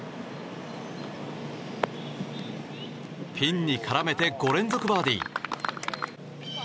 ピンに絡めて５連続バーディー。